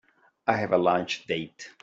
I have a lunch date.